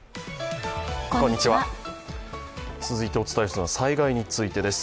続いてお伝えするのは災害についてです。